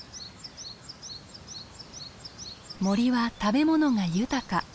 森は食べ物が豊か。